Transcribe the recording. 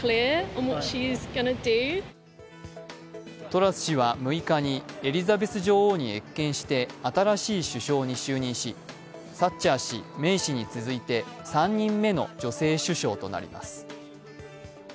トラス氏は６日にエリザベス女王に謁見して、新しい首相に就任しサッチャー氏、メイ氏に続いて３人目の女性首相となります。